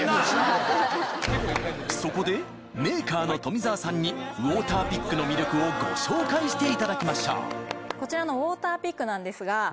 そこでメーカーの富澤さんにウォーターピックの魅力をご紹介していただきましょうこちらのウォーターピックなんですが。